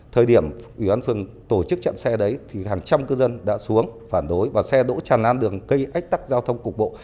thời điểm ubnd tổ chức chặn xe đấy thì hàng trăm cư dân đã xuống phản đối và xe đỗ tràn lan đường cây ách tắc giao thông cục bộ